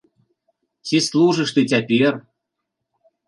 Ці служыш ты цяпер?